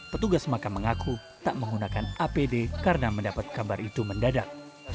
petugas makam mengaku tak menggunakan apd karena mendapat kabar itu mendadak